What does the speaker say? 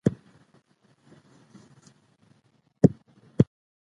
هم له خپلو هم پردیو را جلا وه